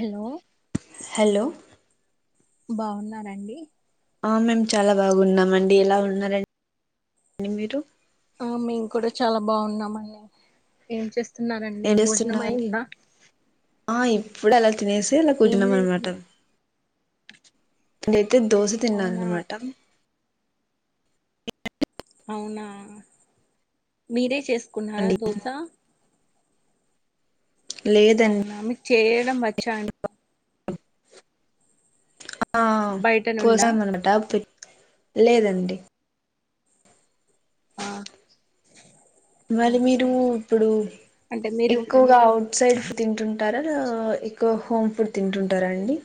Hello hello బాగున్నారండి ఆ మేమ్ చాలా బాగున్నామ అండి ఎలా ఉన్నారండి మీరు ఆ మేము కూడా చాలా బాగున్నామండి ఏం చేస్తున్నారండి ఏం భోజనం చేస్తున్నారండి అయిందా ఆ ఇప్పుడు అలా తినేసి అలా కూర్చున్నా అన్నామాట నేనైతే దోశ తిన్నా అన్నమాట అవునా మీరే చేసుకున్నారా అండి దోశ లేదండి అవునా మీకు చేయడం వచ్చా అండీ ఆ పోచమ్మని అంట లేదండి ఆ మరి మీరు ఇప్పుడు ఎక్కువగా సైడ్ ఫుడ్ తింటుంటారా ఎక్కువ హోమ్ ఫుడ్ తింటుంటారా అండి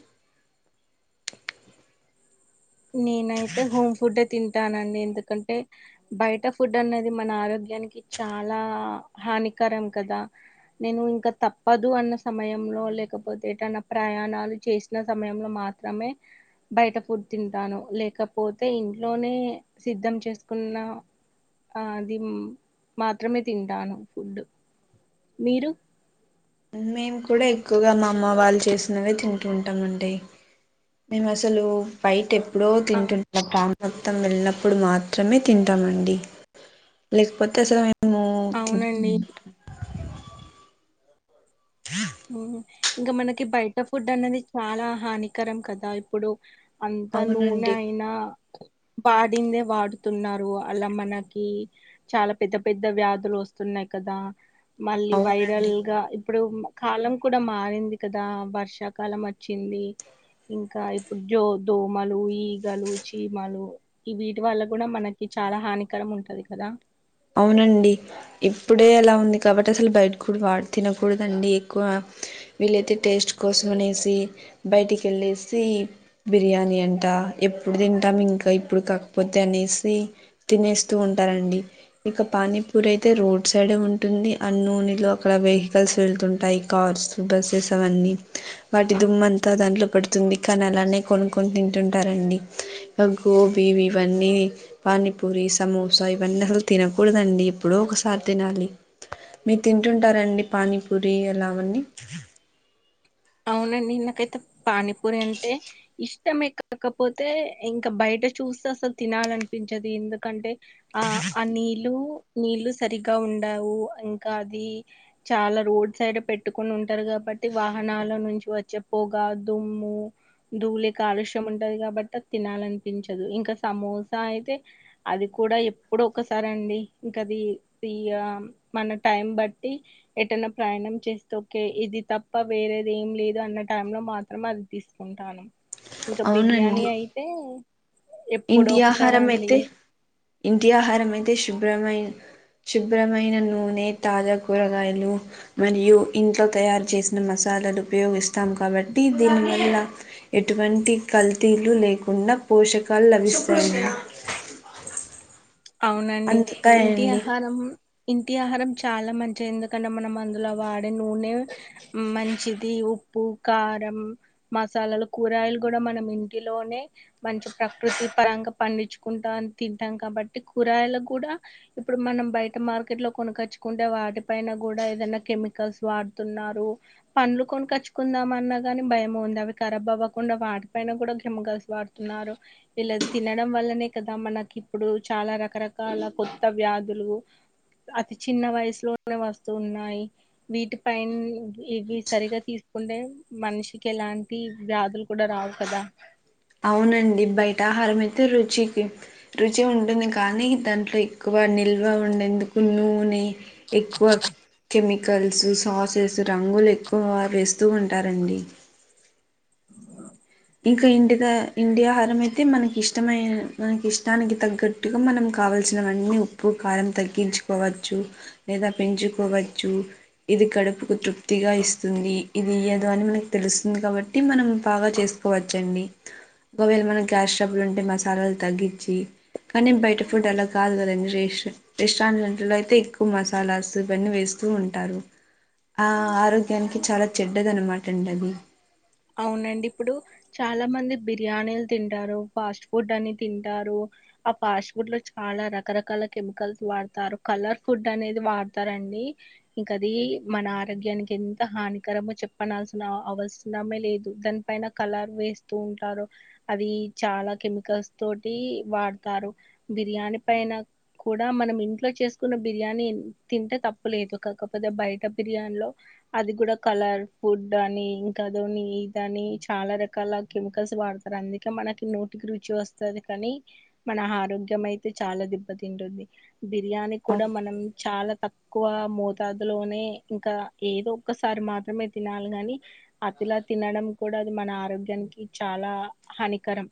నేనైతే హోమ్ ఫుడ్ డే తింటా తింటానండి ఎందుకంటే బయట ఫుడ్ అనేది మన ఆరోగ్యానికి చాలా హానికరం కదా నేను ఇంకా తప్పదు అన్న సమయంలో లేకపోతే ఎటైనా ప్రయాణం ప్రయాణాలు చేసిన సమయంలో మాత్రమే బయట ఫుడ్ తింటాను లేకపోతే ఇంట్లోనే సిద్ధం చేసుకున్న ఆ అది మాత్రమే తింటాను ఫుడ్ మీరు మేము కూడా ఎక్కువగా మా అమ్మ వాళ్ళు చేసినవే తింటు ఉంటామండి మేము అసలు బయట ఎప్పుడో తింటుంట మొత్తం వెళ్ళినప్పుడు మాత్రమే తింటామండి లేకపోతే అసలు ఒకే ఇంకా మనకి బయట ఫుడ్ అనేది చాలా హానికరం కదా ఇప్పుడు అంతా నూనె అవునండి అయినా వాడిందే వాడుతున్నారు అలా మనకి చాలా పెద్ద పెద్ద వ్యాధులు వస్తున్నాయి కదా మళ్ళీ అవునండి వైరల్ గా ఇప్పుడు కాలం కూడా మారింది కదా వర్షాకాలం వచ్చింది ఇంకా ఇప్పుడు దో దోమలు ఈగలు చీమలు ఈ వీటి వల్ల కూడా మనకి చాలా హానికరం ఉంటది కదా అవునండి ఇప్పుడే అలా ఉంది కాబట్టి అసలు బయట కూడా వాడు తినకూడదండి ఎక్కువ వీలైతే టేస్ట్ కోసం అనేసి బయటికి వెళ్ళేసి బిర్యానీ అంట ఎప్పుడు తింటాం ఇంకా ఇప్పుడు కాకపోతే అనేసి తినేస్తూ ఉంటారండి ఇక పానీపూరి అయితే రోడ్ సైడ్ ఉంటుంది ఆ నూనెలో అక్కడ వెహికల్స్ వెళ్తుంటాయి కార్స్ బస్స్ అన్ని వాటి దుమ్మంతా దాంట్లో పడుతుంది కానీ అలానే కొనుక్కని తింటుంటారు రండి గోబీ ఇవన్నీ పానీపూరి సమోసా ఇవన్నీ హల్ తినకూడదండి ఎప్పుడో ఒకసారి తినాలి మీరు తింటుంటారండి పానీపూరి ఇలా ఆవన్నీ అవునండి నాకైతే పానీపూరి అంటే ఇష్టమే కాకపోతే ఇంకా బయట చూస్తే అసలు తినాలనిపించది ఎందుకంటే ఆ ఆ నీళ్లు నీళ్లు సరిగా ఉండవు ఇంకా అది చాలా రోడ్ సైడ్ పెట్టుకుని ఉంటారు కాబట్టి వాహనాల నుంచి వచ్చే పొగ దుమ్ము ధూళి కాలుష్యం ఉంటది కాబట్టి తినాలని పించదు ఇంకా సమోసా అయితే అది కూడా ఎప్పుడో ఒకసారి అండి ఇంక అది తి ఆ మన టైం బట్టి ఎటైనా ప్రయాణం చేస్తోకే ఇది త ప్ప వేరేది ఏం లేదు అన్న టైం లో మాత్రం అది తీసుకుంటాను ఇంక బిర్యానీ అవునండి అయితే ఎప్పుడో ఇంటి ఒకసారి ఆహారం అండి అయితే ఇంటి ఆహారం అయితే శుభ్రమై శుభ్రమైన నూనె తాజా కూరగాయలు మరియు ఇంట్లో తయారు చేసిన మసాలాలు ఉపయోగిస్తాం కాబట్టి దీనివల్ల ఎటువం తి కల్తీలు లేకుండా పోషకాలు లభిస్తాయి అవునండి ఇంటి అందుతాయండి ఆహారం ఇంటి ఆహారం చాలా మంచిది ఎందుకంటే మనం అందులో వాడే నూనె మంచిది ఉ ఉప్పు కారం మసాలాలు కూరగాయిలు కూడా మనం ఇంటిలోనే మంచి ప్రకృ తి పరంగా పండించుకుంటా తింటాం కాబట్ టి కూరగాయలు కూడా ఇప్పుడు మనం బయట మార్కెట్ లో కొనుకచ్చుకుంటే వాటి పైన గూడా ఏదైనా కెమికల్స్ వాడుతున్నారు పండ్లు కొనుకచ్చుకుందాం అన్నా గానీ భయమోంది అ ఖరాబ్ అవ్వకుండా వాటి పైన కూడా కెమికల్స్ వాడుతున్నారు ఇలా తినడం వల్లనే కదా మనకి ఇప్పుడు చాలా రకరకాల కొత్త వ్యాధులు అతి చిన్న వయసులోనే వస్తూ ఉన్నాయి నీటి పైన్ ఇవి సరిగా తీస్ కుంటే మనిషికి ఎలాంటి వ్యాధులు కూడా రావు కదా అవునండి బయట ఆహారం అయితే రుచికి రుచి ఉంటుంది కానీ దాంట్లె క్కువ నిల్వ ఉండేందుకు నూనె ఎక్కువ కెమి కల్స్ సాస్ రంగులు ఎక్కువ వేస్తూ ఉంటారండి ఇంక ఇంటి ద ఇంటి ఆహారం అయితే మనకి ఇష్టమై మనకి ఇష్టానికి తగ్గట్టుగా మనం కావాల్సి సినవన్నీ ఉప్పు కారం తగ్గించుకోవచ్చు లేదా పెంచుకోవచ్చు ఇది కడ కడుపుకు తృప్తిగా ఇస్తుంది ఇది ఇయ్యదు అని మనకి తెలుస్తుంది కాబట్టి మనం బాగా చేస్ పోవచ్చండి ఒకవేళ మన గ్యాస్ స్ట్రబుల్ ఉంటే మసాలాలు తగ్గిచి కానీ బయట ఫుడ్ అలా కాదు గదండి రేష్ రెస్టారెంట్ లలో అయితే ఎక్కువ మసాలాస్ ఇవన్నీ వేస్తూ ఉంటారు ఆ ఆరోగ్యానికి చాలా చెడ్డది అనమాట అండి అది అవునండి ఇప్పుడు చాలా మంది బిర్యానీలు తింటారు ఫాస్ట్ ఫుడ్ అని తింటారు ఆ పాస్ట్ ఫుడ్ లో చాలా రకరకాల కెమికల్స్ వాడతారు కలర్ ఫుడ్ అనేది వాడతారం నీ ఇంకది మన ఆరోగ్యానికి ఎంత హానికరమో చెప్పనాల్సిన ఆ అవస్ నమే లేదు దాని పైన కలర్ వేస్తూ ఉంటారు అది చాలా కెమికల్స్ తోటి టి వాడతారు బిర్యానీ పైన కూడా మనం ఇంట్లో చేసుకున్న బిర్యానీ తింటే తప్పులేదు కాకపోతే బయట బిర్యాని లో అది కూడా కలర్ ఫుడ్ అని కదోని ఇదని చాలా రకాల కెమికల్స్ వాడతారు అందుకే మనకి నోటికి రుచి వస్తాది కా ని మన హారోగ్యం అయితే చాలా దిబ్బతింటుంది బిర్యానీ కూడా అవును మనం చాలా తక్కువ మోతాదులోనే ఇంకా ఏదో ఒక్కసారి మాత్రమే తినాలి గానీ అతి లా తినడం కూడా అది మన ఆరోగ్యానికి చాలా హానికరం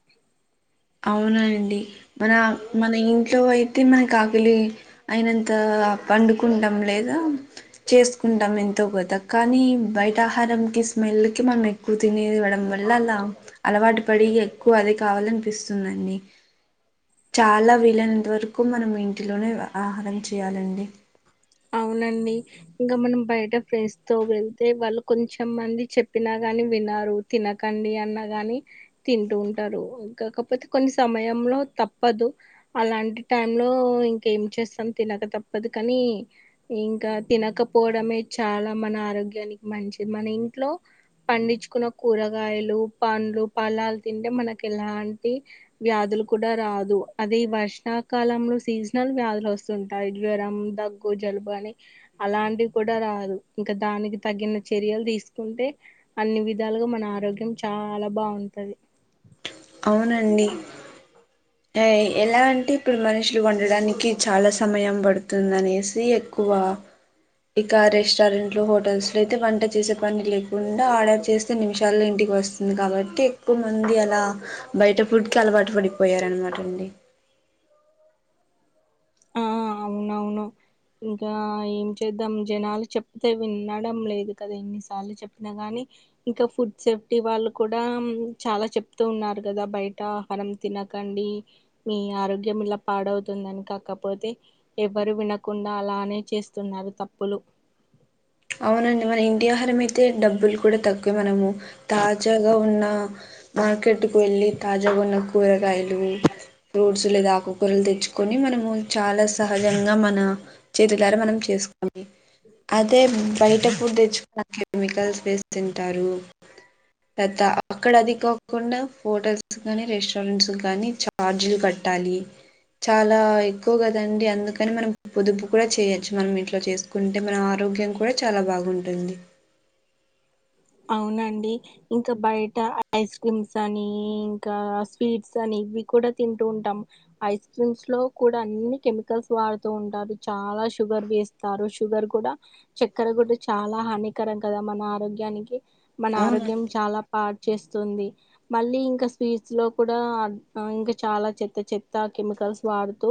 అవునా అండి మన మన ఇంట్లో అయితే మనకు ఆకిలి అయినంత గా పండుకుంటాం లేదా చేసుకుంటాం ఎంతో కొత కానీ బయట ఆహారం స్మెల్ కి మనం ఎక్కువ తినేదివ్వడం వల్ల అలా అలవాటు పడి ఎక్కువ అదే కావాలన్పిస్ సుందన్ని చాలా వీలైనంత వరకు మనం ఇంటిలోనే ఆహారం చెయ్యాలండి అవునండి ఇంగ మనం బయట ఫ్రెండ్స్ తో వెళ్తే వాళ్ళు కొంచెం మంది చెప్పినా కాని వినరు తినకండి అన్నాగాని తింటూ ఉంటారు కాకపోతే కొన్ని సమయం లో తప్పదు అలాంటి టైం లో ఇంకేం చేస్తాని తినక తప్పదు కానీ ఇంకా తినకపోవడమే చాలా మన ఆరోగ్యానికి మంచిది మన ఇంట్లో పండించుకున్న కూరగాయలు పండ్లు పలాాలు తింటే మనకి ఎలాంటి వ్యాధు లు కూడా రాదు అదే వర్షాకాలంలో సీజనల్ వ్యాధులు వస్తుంటాయి జ్వరం దగ్ గ్గు జలుబు అని అలాంటివి కూడా రాదు ఇంకా దానికి తగిన చర్యలు తీసుకుంటే అన్ని విధాలుగా మన ఆరోగ్యం చాలా బాగుంటంది అవునండి ఆ ఎలా అంటే ఇప్పుడు మనుషులు వండడానికి చాలా సమయం పడుతుంది అనేసి ఎక్కు వా ఇక రెస్టారెంట్లు హోటల్స్ లో అయితే వంట చేసే పని లేకుండా ఆర్డర్ చేస్తే నిమిషాలు ఇంటి కి వస్తుంది కాబట్టి ఎక్కువ మంది అలా బయట ఫుడ్ కి అలవాటు పడిపోయారు అనమాటండి ఆ అవునవును ఇంకా ఏం చేద్దాం జనాలు చెప్తే వినడం లేదు కదా ఇన్నిసార్లు చెప్పినా గాని ఇంకా ఫుడ్ సేఫ్టీ వాళ్ళు కూడా చాలా చెప్తూ ఉన్నారు కదా బయట ఆహారం తిన కండి మీ ఆరోగ్యం ఇలా పాడవుతుందని కాకపో పోతే ఎవరు వినకుండా అలానే చేస్తున్నారు తప్పులు అవునండి మన ఇంటి ఆహారం అయితే డబ్బులు కూడా తక్కువే మనము తాజాగా ఉన్న మార్కెట్ కు వెళ్ళి తాజాగ ఉన్న కూరగాయలు ఫ్రూట్స్ లేదా ఆకుకరలు తెచ్చుకొని మనము చాలా సహజంగా మన చేతులర మనం చేసు అదే బయట ఫుడ్ తెచ్చుకున్న కెమికల్స్ వేస్తుంటారు తత అక్కడ అది కాకుండా హోటల్స్ కానీ రెస్టారెంట్స్ గానీ చార్జీలు కట్ట టాలి చాలా ఎక్కువ కదండి అందుకని మనం పొదుపు కూడా చేయొచ్చు మనం ఇంట్లో చేసుకుంటే మనం ఆరో గ్యం కూడా చాలా బాగుంటుంది అవునండి ఇంకా బయట ఐస్ క్రీమ్స్ అని ఇంకా స్వీట్స్ అని ఇవి కూడా తింటూ ఉంటాం ఐస్ క్రీమ్స్ లో కూడా అన్ని కెమికల్స్ వాడుతూ ఉంటారు చాలా షుగర్ వేస్తారు షుగర్ కూడా చక్కెర కూడా చాలా హానికరం కదా మన ఆరోగ్యానికి మన ఆరోగ్యం అవునండి చాలా పా చేస్తుంది మళ్లీ ఇంకా స్వీట్స్ లో కూడా ఇంకా చాలా చెత్త చెత్త కెమి కల్స్ వాడుతూ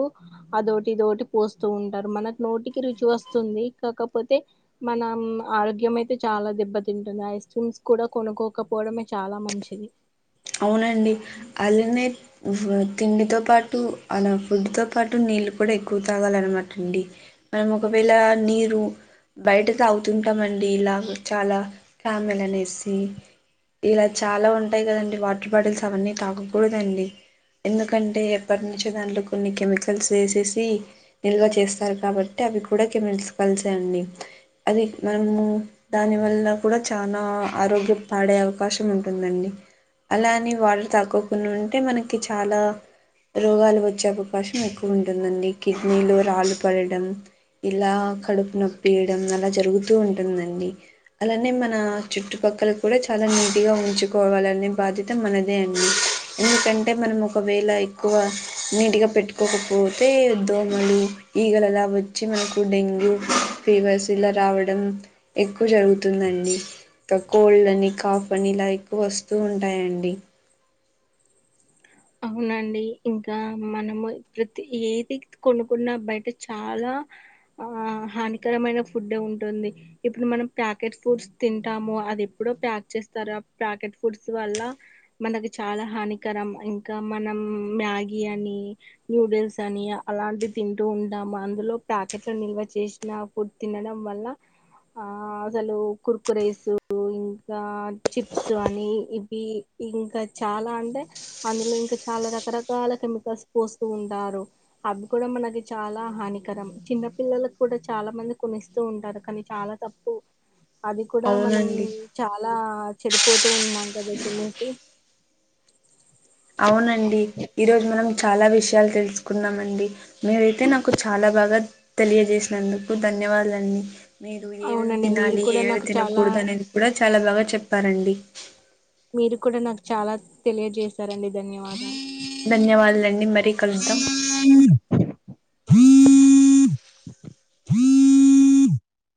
అదోటి ఇదోటి పోస్తూ ఉంటారు మనకు నోటికి రుచి వస్తుంది కాకపో తే మనం ఆరోగ్యం అయితే చాలా దెబ్బతిం టుంది ఐస్ క్రీమ్స్ కూడా కొనుక్కోకపోవడమే చాలా మంచిది అవునండి అలానే తిండితో పాటు అలా ఫుడ్ తో పాటు నీ నీళ్ళు కూడా ఎక్కువ తాగాలన్నమాట అండి మనం ఒకవేళ నీరు బయట తాగుతుంటాం అండి ఇలా చాలా క్యామెల్ అనేసి ఇలా చాలా ఉంటాయి కదండి వాటర్ బాటిల్స్ అవన్నీ తాగకూడదండి ఎందుకంటే ఎప్పటి నుంచో దాంట్లో కొన్ని కెమికల్స్ ఏసేసి నిల్వ చేస్తారు కాబట్టి అవి కూడా కెమికల్సే అండి అది మనము దాని వల్ల కూడా చాలా ఆరోగ్యం పాడయ్యే అవకాశం ఉంటుందండి అలా అని వాటర్ తాకొకుండా ఉంటే మనకి చాలా రోగాలు వచ్చే అవకాశం ఎక్కువ ఉంటుందండి కిడ్నీలో రాళ్లు పడడం ఇలా కడుపు నొప్పి ఏయడం అలా జరుగుతూ ఉంటుందండి అలానే మన చుట్టుప అక్కల్ కూడా చాలా నీటి గా ఉంచుకోవాలనే బాధ్యత మనదే అండి ఎందుకంటే మనం ఒకవేళ ఎక్కువ నీట్గా పెట్టుకోకపోతే దోమలు ఈగలు అలా వచ్చి మనకు డెంగ్యూ ఫీవర్స్ ఇలా రావడం ఎక్కువ జరుగుతుందండి కా కోల్డ్ అని కాఫ్ అని ఇలా ఎక్కువ వస్తూ ఉం టాయండి అవునండి ఇంకా మనము ప్రతి ఏది కొనుక్కున్నా బయట చాలా ఆ హానికరమైన ఫుడ్డే ఉంటుంది ఇప్పుడు మనం ప్యాకెట్స్ ఫుడ్స్ తింటాము ఒ అది ఎప్పుడో ప్యాక్ చేస్తారు ఆ ప్యాకెట్ ఫుడ్స్ వల్ల మనకి చాలా హానికరం ఇన్ కా మనం మ్యాగీ అనీ, నూడిల్స్ అనీ, అలాంటి తింటూ ఉంటాం అందులో. ప్యాకెట్ లో నిల్వ చేసిన ఫుడ్ తినడం వల్ల ఆ అసలు కుర్కురేసు ఇన్ ఇంకా చిప్స్ అని ఇవి ఇంకా చాలా అంటే అందులో ఇంక చాలా రకరకాల కెమికల్స్ పోస్తూ ఉంటారు అవి కూడా మనకి చాలా హాని కరం చిన్న పిల్లలక్ కూడా చాలా మంది కొనిస్తూ ఉంటారు కానీ చాలా తప్పు అది కూడా మనం అవునండి చాలా చెడిపోతూ ఉన్నాం కదా తినేసి అవునండి ఈరోజు మనం చాలా విషయాల్ తెలుసుకున్నాం అండి మీరైతే నాకు చాలా బాగా తెలియజేసినందుకు ధన్ న్యవాదలు అండి మీరు ఏవేవి తినాలి ఏవేవి తినకూడదు అనేది కూడా చాలా బాగా చెప్పారండి మీరు కూడా నాకు చాలా తెలియజేశారండి ధన్యవాదాల్ ధన్యవాదాలండి మరీ కలుద్దాం